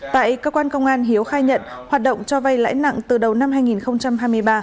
tại cơ quan công an hiếu khai nhận hoạt động cho vay lãi nặng từ đầu năm hai nghìn hai mươi ba